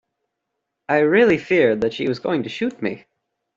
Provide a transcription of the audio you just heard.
I really feared that she was going to shoot me.